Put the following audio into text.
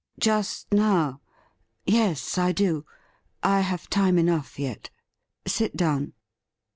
' Just now ? Yes, I do. I have time enough yet. Sit down.'